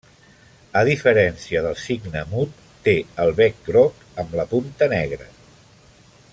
A diferència del cigne mut, té el bec groc amb la punta negre.